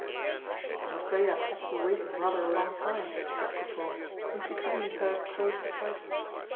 "I'm afraid I've kept you waiting rather a long time," said Coupeau, whom she suddenly heard close beside her.